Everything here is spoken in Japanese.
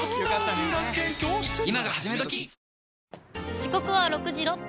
時刻は６時６分。